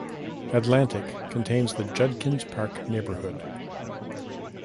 Atlantic contains the Judkins Park neighborhood.